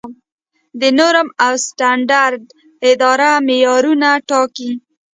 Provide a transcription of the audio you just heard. د نورم او سټنډرډ اداره معیارونه ټاکي